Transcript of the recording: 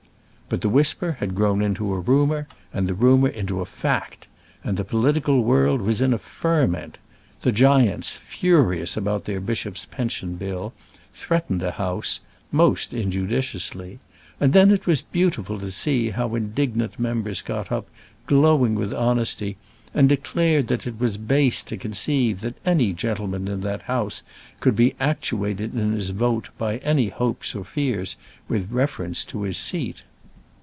But the whisper had grown into a rumour, and the rumour into a fact, and the political world was in a ferment. The giants, furious about their bishops' pension bill, threatened the House most injudiciously; and then it was beautiful to see how indignant members got up, glowing with honesty, and declared that it was base to conceive that any gentleman in that House could be actuated in his vote by any hopes or fears with reference to his seat.